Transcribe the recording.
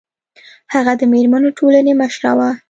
هغه د میرمنو ټولنې مشره وه